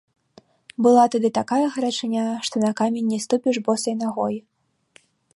Была тады такая гарачыня, што на камень не ступіш босай нагой.